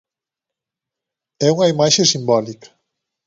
É unha imaxe simbólica.